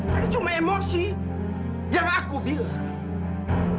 tapi cuma emosi yang aku bilang